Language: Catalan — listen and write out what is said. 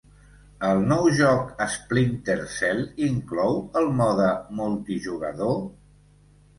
El nou joc Splinter Cell inclou el mode multijugador?